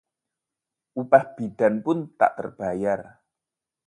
Upah bidan pun tak terbayar